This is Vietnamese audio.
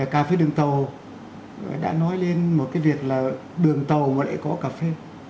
cà phê đường tàu đã nói lên một cái việc là đường tàu mà lại có cà phê